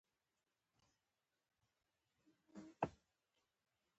د نجونو تعلیم د نړیوال سوداګرۍ اصول ښيي.